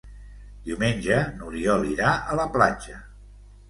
Diumenge n'Oriol irà a la platja.